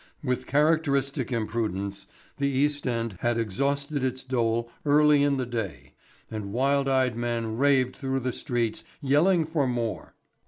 With characteristic imprudence, the East End had exhausted its dole early in the day, and wild eyed men raved through the streets yelling for more.